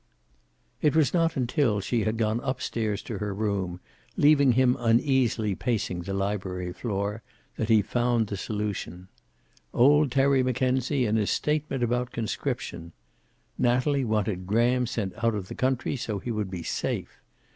It was not until she had gone up stairs to her room, leaving him uneasily pacing the library floor, that he found the solution. Old Terry Mackenzie and his statement about conscription. Natalie wanted Graham sent out of the country, so he would be safe.